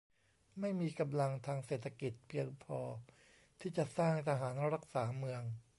ไม่มีกำลังทางเศรษฐกิจเพียงพอที่จะสร้างทหารรักษาเมือง